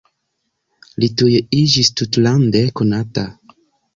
Li tuj iĝis tutlande konata.